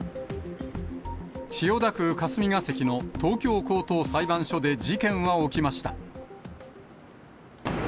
千代田区霞が関の東京高等裁判所で事件は起きました。